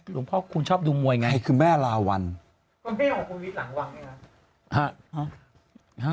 ดอกแรกมาแล้วครับ